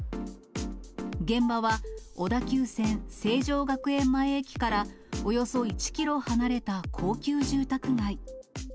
現場は、小田急線成城学園前駅からおよそ１キロ離れた高級住宅街。